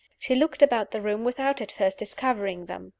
She looked about the room without at first discovering them.